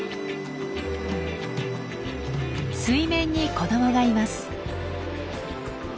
水面に子どもがいます。